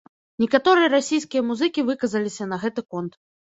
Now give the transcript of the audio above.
Некаторыя расійскія музыкі выказаліся на гэты конт.